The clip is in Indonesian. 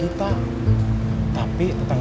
iya gak usah